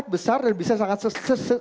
tapi kenapa program ini bisa sangat besar